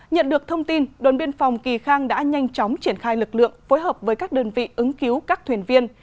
nhận được thông tin đồn biên phòng kỳ khang đã nhanh chóng triển khai lực lượng phối hợp với các đơn vị ứng cứu các thuyền viên